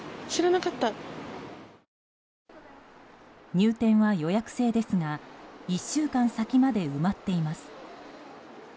入店は予約制ですが１週間先まで埋まっています。